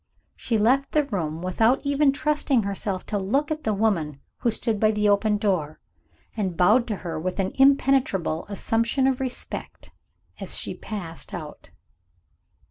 She left the room, without even trusting herself to look at the woman who stood by the open door, and bowed to her with an impenetrable assumption of respect as she passed out.